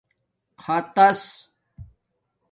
خطَس